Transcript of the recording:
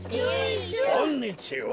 こんにちは。